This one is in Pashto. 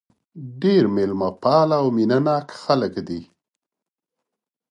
ډېر مېلمه پاله او مینه ناک خلک دي.